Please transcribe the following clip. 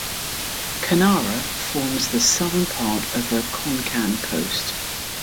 Kanara forms the southern part of the Konkan coast.